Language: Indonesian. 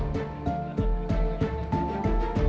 kita baik sih